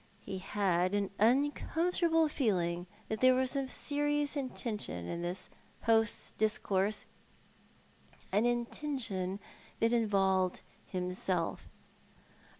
He had an uncomfortable feeling that there was some serious intention in his host's discourse, an intention that involved himself.